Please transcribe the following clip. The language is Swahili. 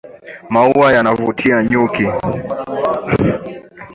Maua yanavutia nyuki.